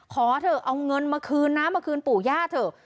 ขอเถอะเอาเงินมาคืนนะมาคืนปู่ย่าเถอะ